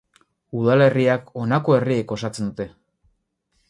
Udalerriak honako herriek osatzen dute.